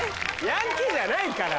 ヤンキーじゃないから。